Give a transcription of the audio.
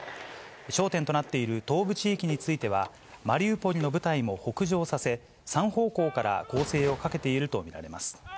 焦点となっている東部地域については、マリウポリの部隊も北上させ、３方向から攻勢をかけていると見られます。